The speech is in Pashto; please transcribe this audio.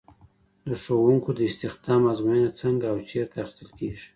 د ښوونکو د استخدام ازموینه څنګه او چېرته اخیستل کیږي؟